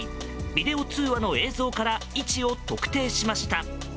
ビデオ通話の映像から位置を特定しました。